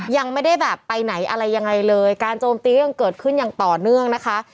ยังไม่ได้แบบไปไหนอะไรยังไงเลยการโจมตียังเกิดขึ้นอย่างต่อเนื่องนะคะ